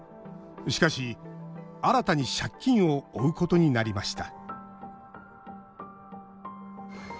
しかし、新たに借金を負うことになりました